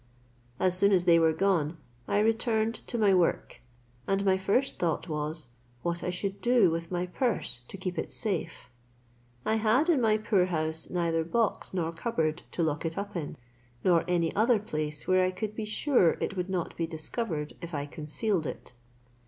As soon as they were gone, I returned to my work, and my first thought was, what I should do with my purse to keep it safe. I had in my poor house neither box nor cupboard to lock it up in, nor any other place where I could be sure it would not be discovered if I concealed it.